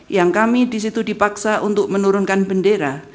yang kami di situ dipaksa untuk menurunkan bendera